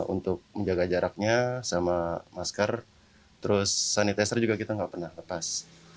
untuk menjaga jaraknya sama masker terus sanitizer juga kita nggak pernah lepas